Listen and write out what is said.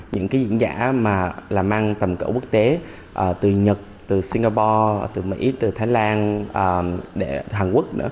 những diễn giả mang tầm cỡ quốc tế từ nhật singapore mỹ thái lan hàn quốc